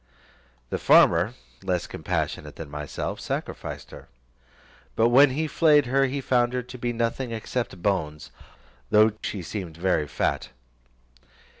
The farmer, less compassionate than myself; sacrificed her; but when he flayed her, found her to be nothing except bones, though to she seemed very fat.